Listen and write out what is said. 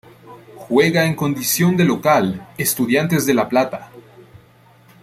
Juega en condición de local Estudiantes de La Plata.